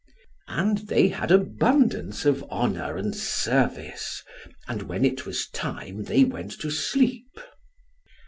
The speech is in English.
And they had abundance of honour and service. And when it was time, they went to sleep.